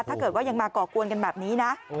ถ้าเกิดว่ายังมาก่อกวนกันแบบนี้นะ